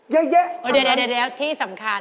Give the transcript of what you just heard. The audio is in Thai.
เยอะคำนั้นเดี๋ยวที่สำคัญ